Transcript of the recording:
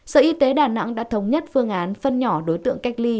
sở y tế đà nẵng đã thống nhất phương án phân nhỏ đối tượng cách ly